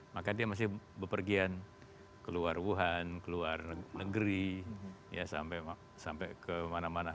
maka dia masih berpergian ke luar wuhan ke luar negeri sampai ke mana mana